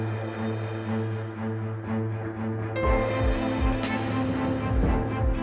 ทุกคนพร้อมแล้วขอเสียงปลุ่มมือต้อนรับ๑๒สาวงามในชุดราตรีได้เลยค่ะ